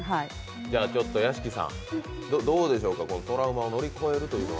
屋敷さん、どうでしょう、トラウマを乗り越えるというのは。